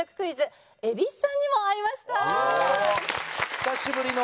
久しぶりの。